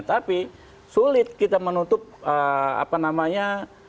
tapi sulit kita menutup apa namanya